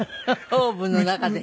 オーブンの中で？